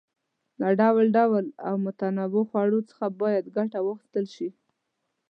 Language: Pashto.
له ډول ډول او متنوعو خوړو څخه باید ګټه واخیستل شي.